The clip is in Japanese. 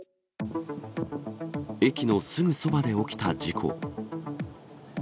駅のすぐそばで起きた事故。